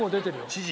知事？